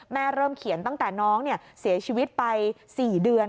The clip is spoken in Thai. เริ่มเขียนตั้งแต่น้องเสียชีวิตไป๔เดือน